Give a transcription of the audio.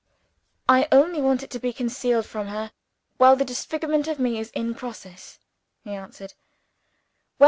"I only want it to be concealed from her while the disfigurement of me is in progress," he answered.